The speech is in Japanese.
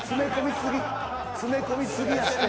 詰め込み過ぎやって。